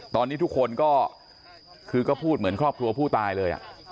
ตอนนี้ทุกคนก็คือก็พูดเหมือนครอบครัวผู้ตายเลย